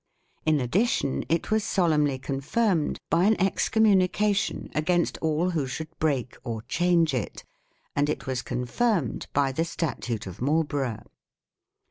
In addition, it was solemnly confirmed by an excommunication against all who should break or change it, and it was confirmed by the Statute of Marlborough.